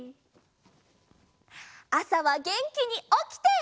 あさはげんきにおきて。